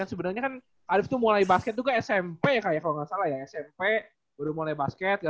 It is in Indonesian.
sebenarnya kan arief tuh mulai basket juga smp ya kak ya kalau nggak salah ya smp baru mulai basket